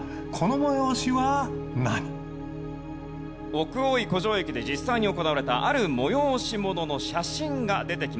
奥大井湖上駅で実際に行われたある催し物の写真が出てきます。